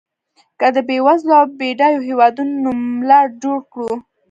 که د بېوزلو او بډایو هېوادونو نوملړ جوړ کړو.